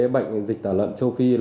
bệnh dịch tả lợn châu phi